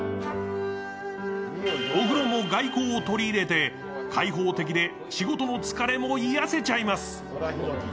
お風呂も外光を取り入れて、仕事の疲れも癒やせちゃいます。